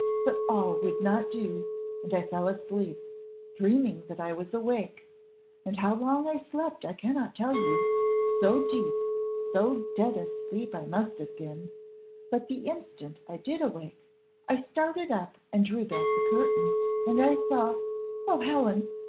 But all would not do, and I fell asleep, dreaming that I was awake, and how long I slept I cannot tell you, so deep, so dead asleep I must have been; but the instant I did awake, I started up and drew back the curtain, and I saw oh, Helen!